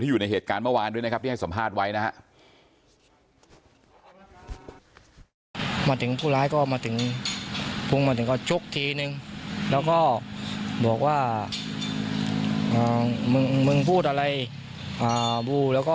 อยู่ในเหตุการณ์เมื่อวานด้วยนะครับที่ให้สัมภาษณ์ไว้นะครับ